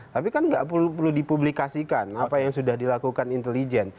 tapi kan nggak perlu dipublikasikan apa yang sudah dilakukan intelijen